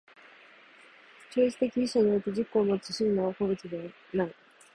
超越的一者において自己をもつ真の個物ではない。